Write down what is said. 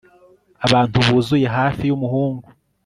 abantu buzuye hafi y'umuhungu